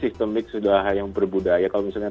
sistemik sudah yang berbudaya kalau misalnya